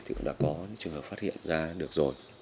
thì cũng đã có những trường hợp phát hiện ra được rồi